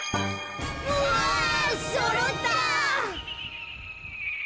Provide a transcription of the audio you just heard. うわそろった！